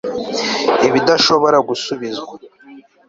ibidashobora gusubizwa